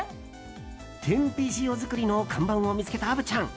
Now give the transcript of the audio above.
天日塩作りの看板を見つけた虻ちゃん。